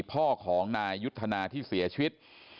พ่อของนายยุทธนาที่เสียชีวิต